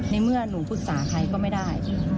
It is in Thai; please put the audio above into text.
ในเมื่อหนูปรึกษาใครก็ไม่ได้